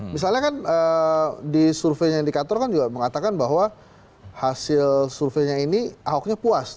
misalnya kan di surveinya indikator kan juga mengatakan bahwa hasil surveinya ini ahoknya puas